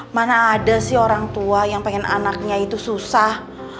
mana ada sih orang tua yang pengen anaknya itu susah